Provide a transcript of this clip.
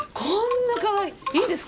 こんなかわいい。